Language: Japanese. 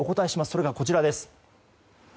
それがこちらです。